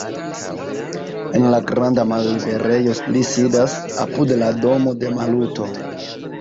En la granda malliberejo li sidas, apud la domo de Maluto.